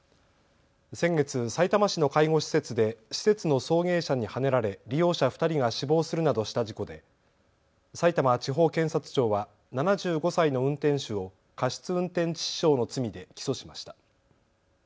先月、さいたま市の介護施設で施設の送迎車にはねられ利用者２人が死亡するなどした事故でさいたま地方検察庁は７５歳の運転手を過失運転致死傷の罪で起訴しました。